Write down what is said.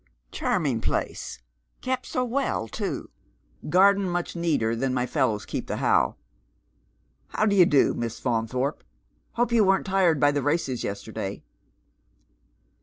" Channing place — kept so well, too — garden much neater than my fellows keep the How. How d'ye do, Miss Faunthorpe ? Hope you weren't tired by the races yesterday."